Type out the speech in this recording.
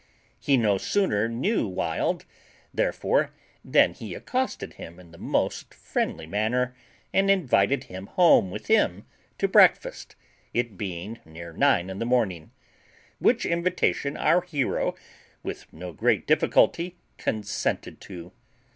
He no sooner knew Wild, therefore, than he accosted him in the most friendly manner, and invited him home with him to breakfast (it being now near nine in the morning), which invitation our hero with no great difficulty consented to.